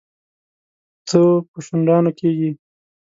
تو په شونډانو کېږي.